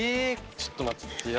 ちょっと待ってや。